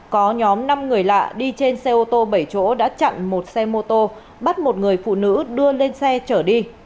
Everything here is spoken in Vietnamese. có nhóm năm người lạ đi trên xe ô tô bảy chỗ đã chặn một xe mô tô bắt một người phụ nữ đưa lên xe chở đi